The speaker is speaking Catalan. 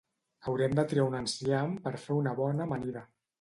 Haurem de triar un enciam per fer una bona amanida